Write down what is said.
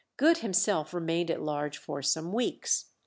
Good himself remained at large for some weeks.